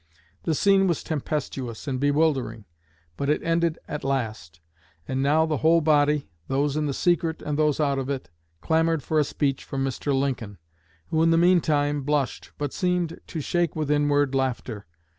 The scene was tempestuous and bewildering. But it ended at last; and now the whole body, those in the secret and those out of it, clamored for a speech from Mr. Lincoln, who in the meantime 'blushed,' but seemed to shake with inward laughter.